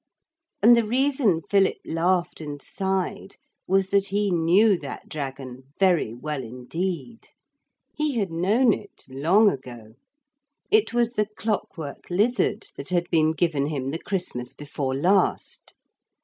And the reason Philip laughed and sighed was that he knew that dragon very well indeed. He had known it long ago. It was the clockwork lizard that had been given him the Christmas before last.